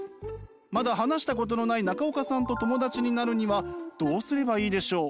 まだ話したことのない中岡さんと友達になるにはどうすればいいでしょう？